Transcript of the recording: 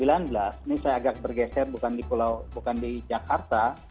ini saya agak bergeser bukan di jakarta